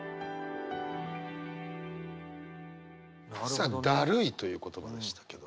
さあ「だるい」という言葉でしたけど。